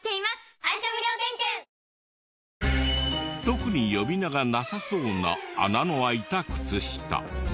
特に呼び名がなさそうな穴のあいたクツ下。